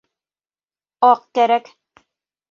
Аҡ кәрәк.